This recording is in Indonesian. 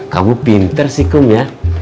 kamu pinter sih kum ya